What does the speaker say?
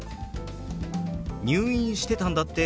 「入院してたんだって？